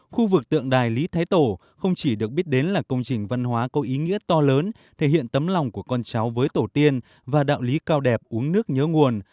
khu vực tượng đài lý thái tổ không chỉ được biết đến là công trình văn hóa có ý nghĩa to lớn thể hiện tấm lòng của con cháu với tổ tiên và đạo lý cao đẹp uống nước nhớ nguồn